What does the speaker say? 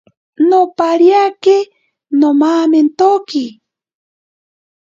Nopariake nomamentoki.